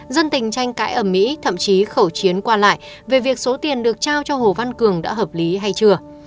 dân tình tranh cãi ẩm mỹ thậm chí khẩu chiến qua lại về việc số tiền được trao cho hồ văn cường đã hợp lý hay chưa